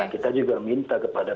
kita juga minta kepada